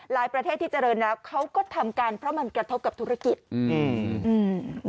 หลายประเทศที่เจริญแล้วนะเขาก็ทำกันเพราะมันกระทบกับธุรกิจ